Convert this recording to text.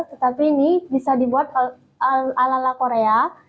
tetapi ini bisa dibuat ala ala korea